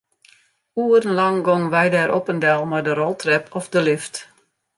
Oerenlang gongen wy dêr op en del mei de roltrep of de lift.